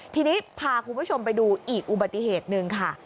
ทีนี้พาคุณผู้ชมไปดูอีกอุบัติเหตุหนึ่งค่ะ